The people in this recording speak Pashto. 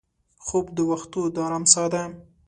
خوب د وختو د ارام سا ده